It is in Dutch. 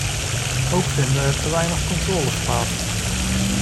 Ook vinden er te weinig controles plaats.